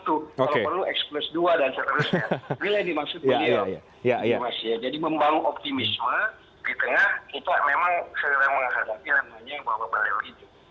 ini lah dimaksud pemimpin biasa jadi membangun optimisme di tengah kita memang secara menghadapi yang hanya bahwa berlalu itu